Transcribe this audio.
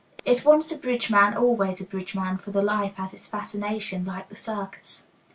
It's once a bridge man always a bridge man, for the life has its fascination, like the circus.